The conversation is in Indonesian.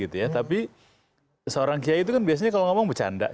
tapi seorang kiai itu kan biasanya kalau ngomong bercanda